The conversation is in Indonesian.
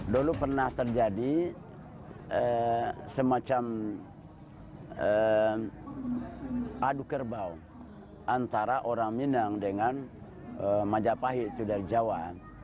dulu pernah terjadi semacam adu kerbau antara orang minang dengan majapahit itu dari jawa